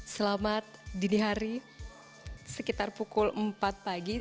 selamat dini hari sekitar pukul empat pagi